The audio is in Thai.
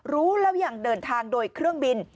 รู้แล้วยังเดินทางโดยเครื่องบิน